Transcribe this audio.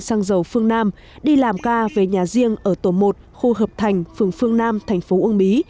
sang dầu phương nam đi làm ca về nhà riêng ở tổ một khu hợp thành phường phương nam thành phố uông bí